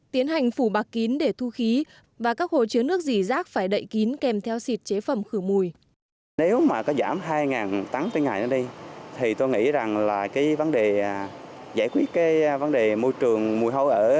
tiến hành phủ bạt kín để thu khí và các hồ chứa nước dỉ rác phải đậy kín kèm theo xịt chế phẩm khử mùi